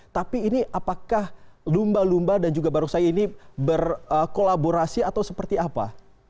tapi ini apakah lumba lumba dan juga barongsai ini berkolaborasi atau seperti apa